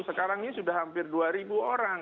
sekarang ini sudah hampir dua orang